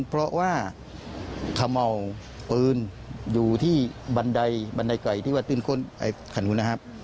เพราะว่าเขม่าวปืนอยู่ที่บันไดบันไดไก่ที่วัดขนุนนะครับ